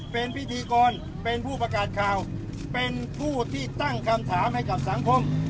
เป็นพิธีกรเป็นผู้ประกาศข่าวเป็นผู้ที่ตั้งคำถามให้กับสังคม